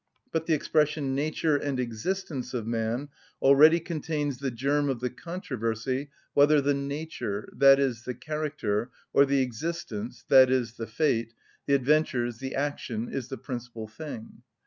But the expression, "nature and existence of man," already contains the germ of the controversy whether the nature, i.e., the character, or the existence, i.e., the fate, the adventures, the action, is the principal thing.